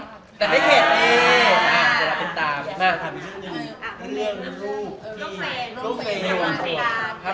เรื่องรุ่งมีความปลอดภัย